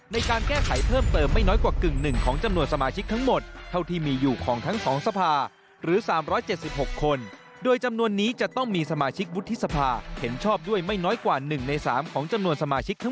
ในการแก้ไขเพิ่มเติมไม่น้อยกว่ากึ่งหนึ่ง